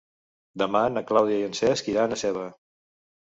Demà na Clàudia i en Cesc iran a Seva.